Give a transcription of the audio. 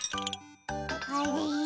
あれ？